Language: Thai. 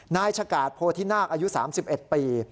นายชะกาดโพธินาคอายุ๓๑ปี